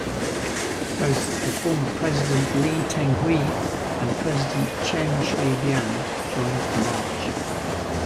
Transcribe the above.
Both the former President Lee Teng-hui and President Chen Shui-bian joined the march.